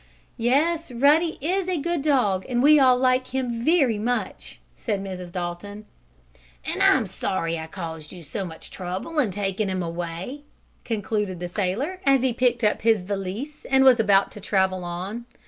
"Yes, Ruddy is a good dog, and we all like him very much," said Mrs. Dalton. "And I'm sorry I caused you so much trouble in taking him away," concluded the sailor, as he picked up his valise and was about to travel on.